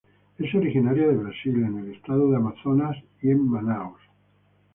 Es originaria de Brasil en el Estado de Amazonas y en Manaos.